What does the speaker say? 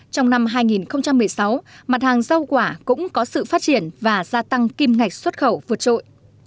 trong năm hai nghìn một mươi sáu mặt hàng rau quả cũng có sự phát triển và gia tăng kim ngạch xuất khẩu vượt trội